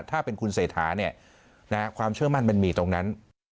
ถ้าเป็นคุณเศรษฐาความเชื่อมั่นมันมีตรงนั้น